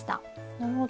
なるほど。